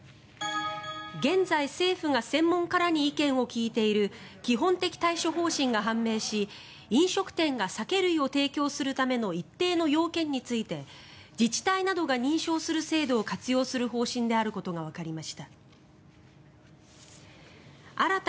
現在、政府が専門家らに意見を聞いている基本的対処方針が判明し飲食店が酒類を提供するための一定の要件について自治体などが認証する制度を活用する方針であることがわかりました。